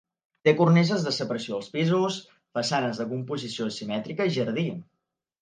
Té cornises de separació dels pisos, façanes de composició simètrica i jardí.